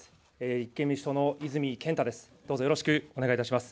立憲民主党の泉健太です。